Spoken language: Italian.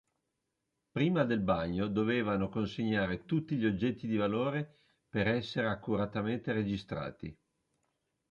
Prima del bagno dovevano consegnare tutti gli oggetti di valore per essere accuratamente registrati.